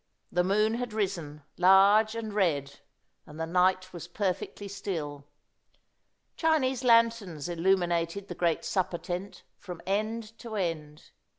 The moon had risen, large and red, and the night was perfectly still. Chinese lanterns illuminated the great supper tent from end to end.